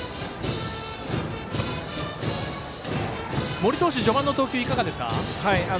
森投手、序盤の投球いかがですか。